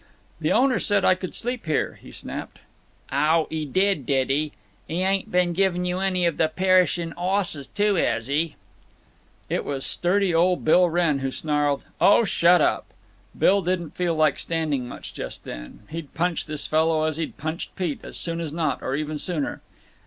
"The owner said I could sleep here," he snapped. "Ow. 'E did, did 'e? 'E ayn't been giving you any of the perishin' 'osses, too, 'as 'e?" It was sturdy old Bill Wrenn who snarled, "Oh, shut up!" Bill didn't feel like standing much just then. He'd punch this fellow as he'd punched Pete, as soon as not—or even sooner.